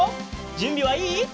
じゅんびはいい？